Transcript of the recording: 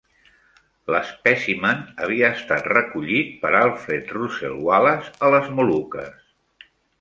L'espècimen havia estat recollit per Alfred Russel Wallace a les Moluques.